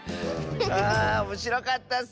あおもしろかったッス！